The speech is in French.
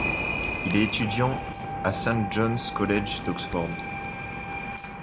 Il est étudiant au St John's College d'Oxford.